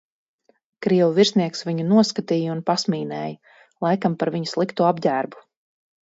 Krievu virsnieks viņu noskatīja un pasmīnēja, laikam par viņa slikto apģērbu.